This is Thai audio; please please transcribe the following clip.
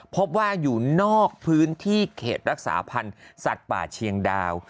พบว่าอยู่นอกพื้นที่เขตรักษาพันธ์สัตว์ป่าเชียงดาว